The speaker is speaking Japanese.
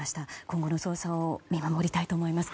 今後の捜査を見守りたいと思います。